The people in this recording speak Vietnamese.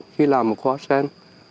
khi làm một hoa sen